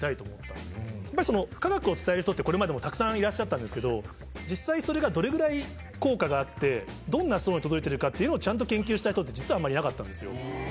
やっぱり、科学を伝える人って、これまでもたくさんいらっしゃったんですけど、実際、それがどれぐらい効果があって、どんなそうに届いてるのかっていうのをちゃんと研究した人って、実はあんまりいなかったんですよ。